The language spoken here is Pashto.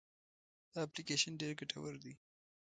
دا اپلیکیشن ډېر ګټور دی.